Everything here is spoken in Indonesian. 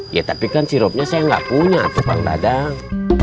ya tapi kan sirupnya saya nggak punya atukang dadang